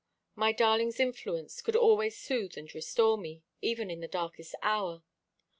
My darling's influence could always soothe and restore me, even in the darkest hour.